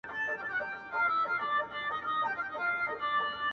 په كوڅو كي يې ژوندۍ جنازې ګرځي-